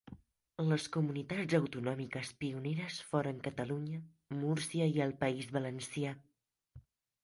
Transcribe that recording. Les comunitats autonòmiques pioneres foren Catalunya, Múrcia i el País Valencià.